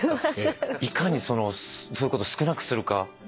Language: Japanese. いかにそういうことを少なくするか。